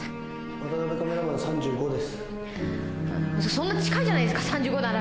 そんな近いじゃないですか３５なら。